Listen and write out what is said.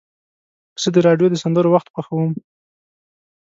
زه د راډیو د سندرو وخت خوښوم.